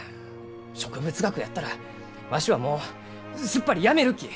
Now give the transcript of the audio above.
植物学やったらわしはもうすっぱりやめるき！